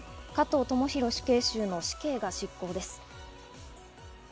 加藤智大死刑囚の死刑が執行です。